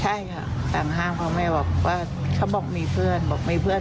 ใช่ค่ะสั่งห้ามเขาแม่บอกว่าเขาบอกมีเพื่อน